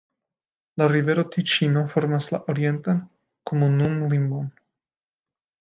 La rivero Tiĉino formas la orientan komunumlimon.